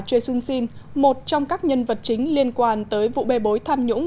và choi seung shin một trong các nhân vật chính liên quan tới vụ bê bối tham nhũng